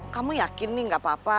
kamu yakin nih gak apa apa